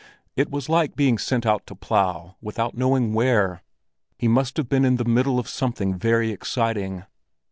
It was like being sent out to plough without knowing where. He must have been in the middle of something very exciting.